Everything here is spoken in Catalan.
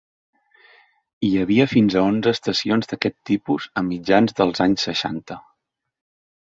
Hi havia fins a onze estacions d'aquest tipus a mitjans dels anys seixanta.